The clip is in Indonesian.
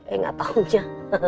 eh gak tahunya